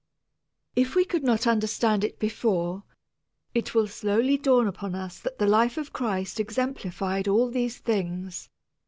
If we could not understand it before, it will slowly dawn upon us that the life of Christ exemplified all these things.